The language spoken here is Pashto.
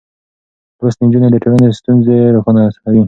لوستې نجونې د ټولنې ستونزې روښانه کوي.